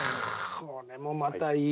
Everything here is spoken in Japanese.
これもまたいい。